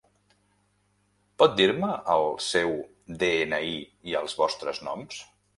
Pot dir-me el seu de-ena-i i els vostres noms?